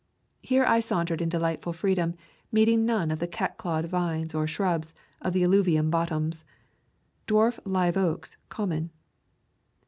Here I sauntered in delightful freedom, meeting none of the cat clawed vines, or shrubs, of the alluvial bot toms. Dwarf live oaks common.